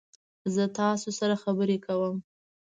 زه تاسو سره خبرې کوم.